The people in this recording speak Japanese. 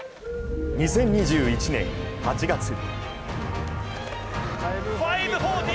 ２０２１年８月。